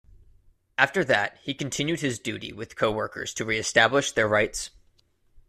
After that, he continued his duty with co workers to reestablish their rights.